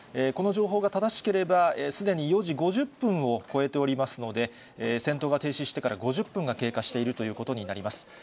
この情報が正しければ、すでに４時５０分を超えておりますので、戦闘が停止してから５０分が経過しているということになります。